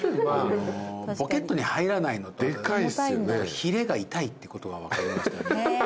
ヒレが痛いってことが分かりました。